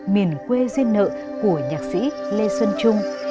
miền quê duyên nợ của nhạc sĩ lê xuân trung